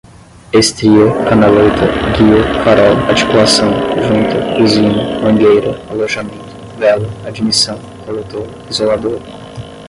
estria, canaleta, guia, farol, articulação, junta, buzina, mangueira, alojamento, vela, admissão, coletor, isolador